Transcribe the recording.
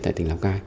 tại tỉnh lào cai